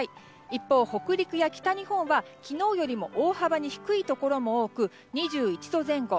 一方、北陸や北日本は昨日よりも大幅に低いところも多く２１度前後。